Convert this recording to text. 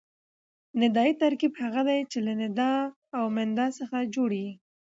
ندایي ترکیب هغه دئ، چي له ندا او منادا څخه جوړ يي.